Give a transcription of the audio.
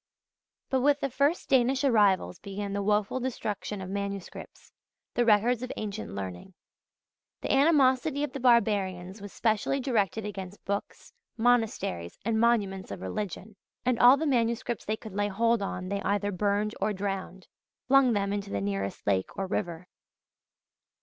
But with the first Danish arrivals began the woeful destruction of manuscripts, the records of ancient learning. The animosity of the barbarians was specially directed against books, monasteries, and monuments of religion: and all the manuscripts they could lay hold on they either burned or "drowned" i.e., flung them into the nearest lake or river.